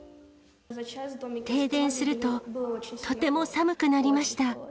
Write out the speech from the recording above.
停電すると、とても寒くなりました。